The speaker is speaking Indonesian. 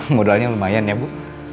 modalnya lumayan ya bu